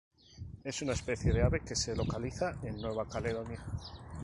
Es una especie de ave que se localiza en Nueva Caledonia